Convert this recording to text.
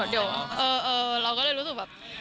เดี๋ยวเราก็เลยรู้สึกแบบ